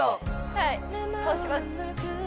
はいそうします